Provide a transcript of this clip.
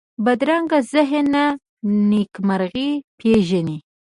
بدرنګه ذهن نه نېکمرغي پېژني